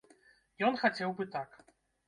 Ён хацеў бы так.